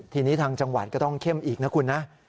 ทีนี้ทางจังหวัดก็ต้องเข้มอีกนะคุณนะ